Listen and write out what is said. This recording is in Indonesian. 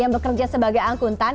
dan bekerja sebagai akuntan